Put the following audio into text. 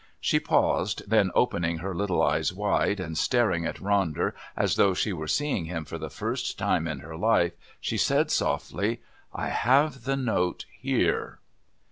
She paused, then opening her little eyes wide and staring at Ronder as though she were seeing him for the first time in her life she said softly, "I have the note here."